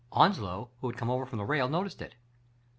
Onslow, who had come over from the rail, noticed it.